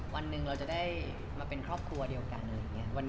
วันนึงจะขอบคลัวเดียวกัน